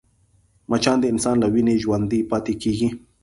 مچان د انسان له وینې ژوندی پاتې کېږي